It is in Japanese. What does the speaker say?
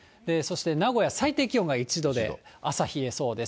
名古屋、最低気温が１度で、朝、冷えそうです。